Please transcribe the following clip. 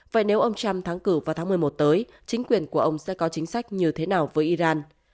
vậy nếu ông trump thắng cử vào tháng một mươi một tới chính quyền của ông sẽ có chính sách như thế nào với iran